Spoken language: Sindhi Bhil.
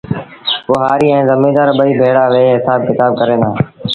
پوهآريٚ ائيٚݩ زميݩدآر ٻئي ڀيڙآ ويه هسآب ڪتآب ڪريݩ دآ